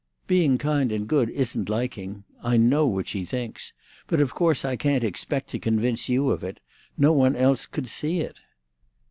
"Being kind and good isn't liking. I know what she thinks. But of course I can't expect to convince you of it; no one else could see it."